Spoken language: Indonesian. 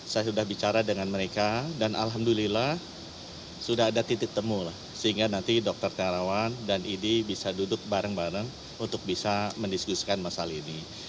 saya sudah bicara dengan mereka dan mereka juga sudah ada titik titik sehingga tadi dokter idi dan idi bisa duduk bareng bareng untuk bisa mendiskusikan masalah ini